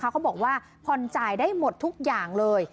เขาบอกว่าผ่อนจ่ายได้หมดทุกอย่างเลย